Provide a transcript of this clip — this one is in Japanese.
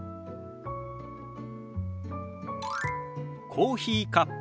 「コーヒーカップ」。